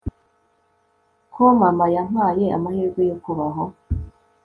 Ko mama yampaye amahirwe yo kubaho